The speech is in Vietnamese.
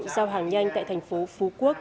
giao hàng nhanh tại thành phố phú quốc